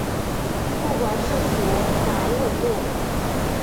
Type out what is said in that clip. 不管是属哪一纬度。